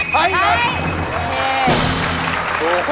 ใช้ครับ